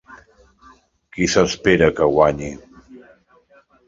Qui s'espera que guanyi?